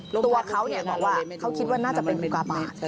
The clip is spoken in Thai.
ตัวเขาบอกว่าเขาคิดว่าน่าจะเป็นอุกาบาท